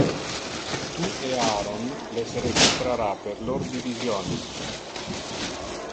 Tu e Aharon les registrara per lor divisiones.